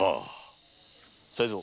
才三。